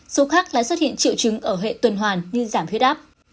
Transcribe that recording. số khác lại xuất hiện triệu chứng ở hệ tuần hoàn như giảm huyết áp